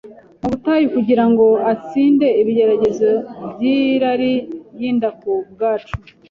mu butayu kugira ngo atsinde ibigeragezo by’irari ry’inda ku bwacu,